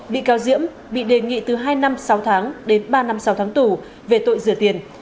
bị cáo diễm bị đề nghị từ hai năm sáu tháng đến ba năm sáu tháng tù về tội rửa tiền